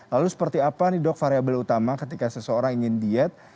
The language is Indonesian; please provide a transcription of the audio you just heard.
lalu seperti apa nih dok variable utama ketika seseorang ingin diet